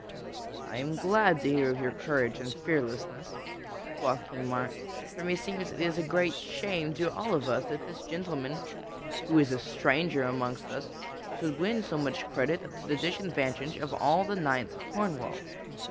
"I am glad to hear of your courage and fearlessness," quoth King Mark, "for meseems it is a great shame to all of us that this gentleman, who is a stranger amongst us, should win so much credit to the disadvantage of all the knights of Cornwall.